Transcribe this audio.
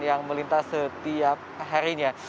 yang melintas setiap harinya